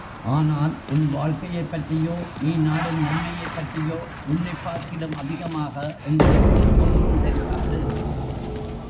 ஆனால், உன் வாழ்க்கையைப் பற்றியோ, நீ நாடும் நன்மையைப் பற்றியோ, உன்னைப் பார்க்கிலும் அதிகமாக எங்களுக்கு ஒன்றும் தெரியாது.